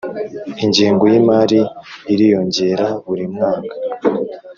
ingengo y’imari iriyongera buri mwaka